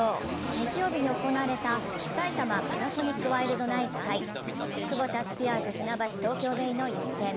日曜日に行われた埼玉パナソニックワイルドナイツ対クボタスピアーズ船橋・東京ベイの一戦。